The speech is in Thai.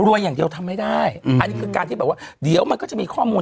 อย่างเดียวทำไม่ได้อันนี้คือการที่แบบว่าเดี๋ยวมันก็จะมีข้อมูล